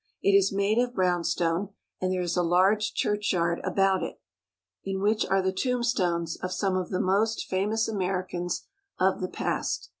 It is made of brownstone, and there is a large churchyard about it, in which are the tombstones of some of the most famous Americans of the past.